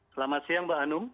selamat siang mbak anum